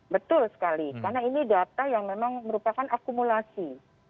betul sekali karena ini data yang memang merupakan akumulasi